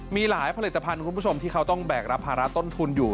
มีหลายผลิตภัณฑ์คุณผู้ชมที่เขาต้องแบกรับภาระต้นทุนอยู่